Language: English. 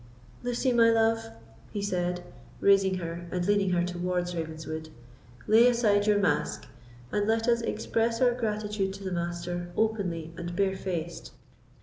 "Lucy, my love," he said, raising her and leading her towards Ravenswood, "lay aside your mask, and let us express our gratitude to the Master openly and barefaced."